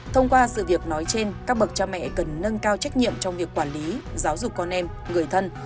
thông qua sự việc nói trên các bậc cha mẹ cần nâng cao trách nhiệm trong việc quản lý giáo dục con em người thân